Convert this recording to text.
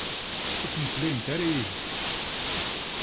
Ur ttmeslayemt ara yid-i.